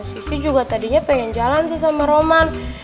sissy juga tadinya pengen jalan sama roman